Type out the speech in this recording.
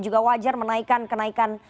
juga wajar menaikan kenaikan